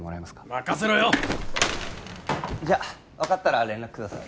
任せろよじゃ分かったら連絡ください